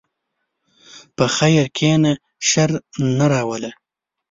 په خیر کښېنه، شر نه راوله.